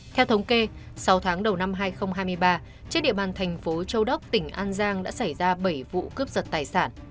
theo thống kê sau tháng đầu năm hai nghìn hai mươi ba trên địa bàn thành phố châu đốc tỉnh an giang đã xảy ra bảy vụ cướp giật tài sản